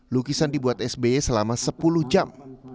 lukisan dibuat sby selama sepuluh jam